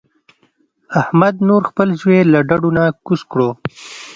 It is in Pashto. احمد نور خپل زوی له ډډو نه کوز کړ.